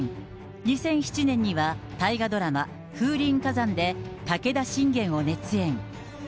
２００７年には大河ドラマ、風林火山で武田信玄を熱演。